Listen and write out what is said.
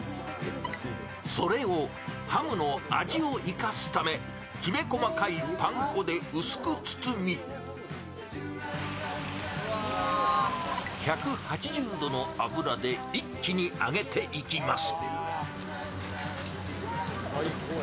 それをハムの味を生かすためきめ細かいパン粉で薄く包み１８０度の油で一気に揚げていきます